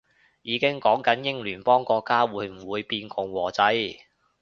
已經講緊英聯邦國家會唔會變共和制